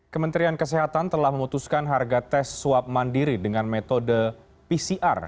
kementerian kesehatan telah memutuskan harga tes swab mandiri dengan metode pcr